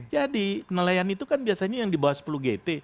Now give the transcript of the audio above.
jadi nelayan itu kan biasanya yang di bawah sepuluh gt